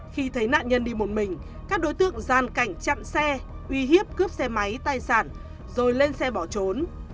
khi thấy nạn nhân đi một mình các đối tượng gian cảnh chặn xe uy hiếp cướp xe máy tài sản rồi lên xe bỏ trốn